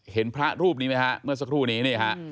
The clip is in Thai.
เห็นพระรูปนี้ไหมฮะเมื่อสักครู่นี้นี่ฮะ